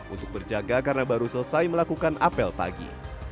untuk berjaga karena baru selesai melakukan apel pagi